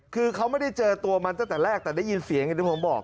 คือเขาไม่ได้เจอตัวมันตั้งแต่แรกแต่ได้ยินเสียงอย่างที่ผมบอก